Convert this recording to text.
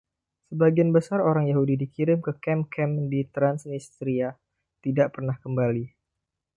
Sebagian besar orang Yahudi yang dikirim ke kamp-kamp di Transnistria tidak pernah kembali.